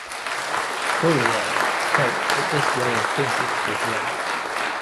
Fourier felt that this way of thinking was wrong.